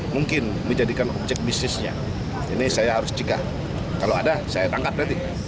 mungkin menjadikan objek bisnisnya ini saya harus cegah kalau ada saya tangkap berarti